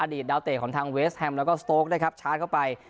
อดีตดาวเตะของทางเวสแฮมแล้วก็โสโทรคได้ครับชาร์จเข้าไป